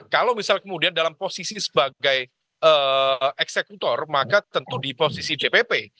kalau misal kemudian dalam posisi sebagai eksekutor maka tentu di posisi dpp